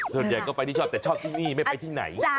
ส่วนใหญ่ก็ไปที่ชอบแต่ชอบที่นี่ไม่ไปที่ไหน